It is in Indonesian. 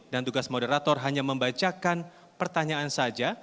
dan tugas moderator hanya membacakan pertanyaan saja